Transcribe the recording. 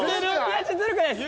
ずるくないです。